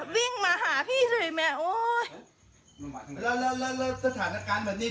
วิ่งมาหาพี่เฉยแม่โอ้ยแล้วแล้วสถานการณ์แบบนี้